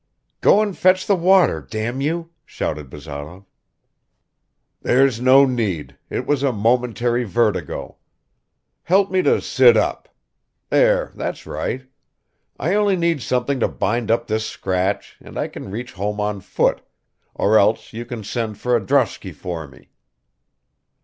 "Go and fetch the water, damn you!" shouted Bazarov. "There's no need ... it was a momentary vertigo. Help me to sit up ... there, that's right ... I only need something to bind up this scratch, and I can reach home on foot, or else you can send for a droshky for me.